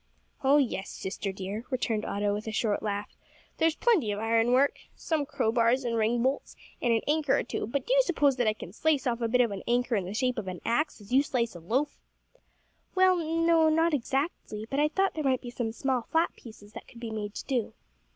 "Oh yes, sister dear," returned Otto, with a short laugh, "there's plenty of iron work. Some crowbars and ringbolts, and an anchor or two; but do you suppose that I can slice off a bit of an anchor in the shape of an axe as you slice a loaf?" "Well no, not exactly, but I thought there might be some small flat pieces that could be made to do."